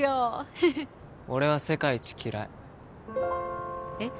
フフッ俺は世界一嫌いえっ？